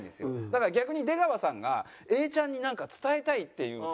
だから逆に出川さんが永ちゃんになんか伝えたいっていう。